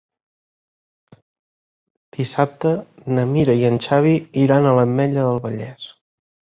Dissabte na Mira i en Xavi iran a l'Ametlla del Vallès.